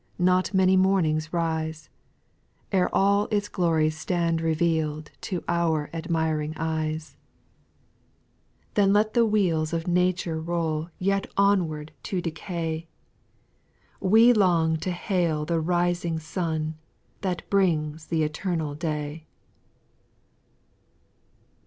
Not many mornings rise, E'er all its glories stand reveaPd To our admiring eyes. 4. Then let the wheels of nature roll Yet onward to decay ; i 64 SPIRITUAL SONGS, Wc lon^ to hail the rising sun, That brings th' eternal clay.